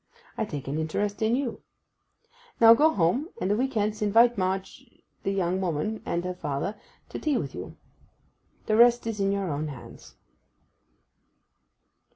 I take an interest in you. Now go home, and a week hence invite Marg—the young woman and her father, to tea with you. The rest is in your own hands.